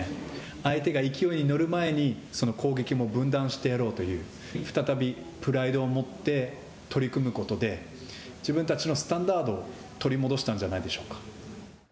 相手が勢いに乗る前に攻撃も分断してやろうという再びプライドを持って取り組むということで自分たちのスタンダードを取り戻したんじゃないでしょうか。